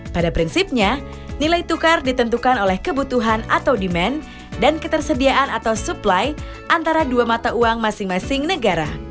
pada prinsipnya nilai tukar ditentukan oleh kebutuhan atau demand dan ketersediaan atau supply antara dua mata uang masing masing negara